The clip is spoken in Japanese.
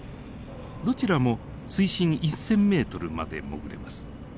どちらも水深１，０００ｍまで潜れます。